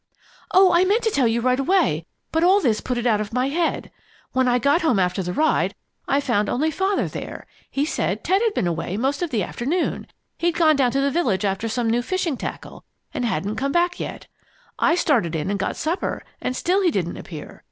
"Oh, I meant to tell you right away, but all this put it out of my head. When I got home after the ride, I found only Father there. He said Ted had been away most of the afternoon. He'd gone down to the village after some new fishing tackle and hadn't come back yet. I started in and got supper, and still he didn't appear.